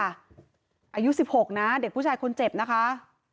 อายุ๑๖นะเด็กผู้ชายคนเจ็บนะคะ